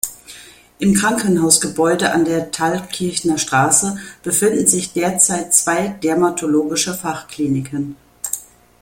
Im Krankenhausgebäude an der Thalkirchner Straße befinden sich derzeit zwei dermatologische Fachkliniken.